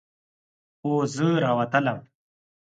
خو زه راووتلم.